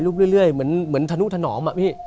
รูปเรื่อยเหมือนธนุธนอม